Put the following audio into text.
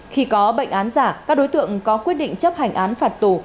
khi có bệnh án giả các đối tượng có quyết định chấp hành án phạt tù